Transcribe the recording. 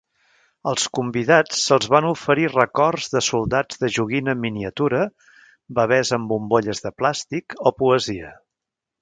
Als convidats se'ls van oferir records de soldats de joguina en miniatura, bebès en bombolles de plàstic o poesia.